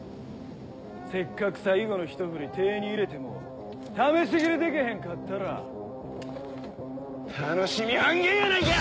せっかく最後のひと振り手ぇに入れても試し斬りでけへんかったら楽しみ半減やないか！